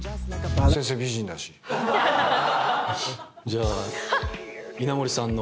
じゃあ。